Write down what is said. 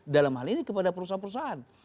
dalam hal ini kepada perusahaan perusahaan